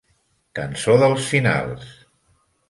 Cançons dels finals!